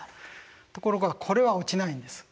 ところがこれは落ちないんです。